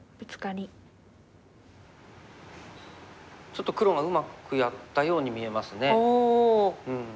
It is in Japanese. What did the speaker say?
ちょっと黒がうまくやったように見えますね。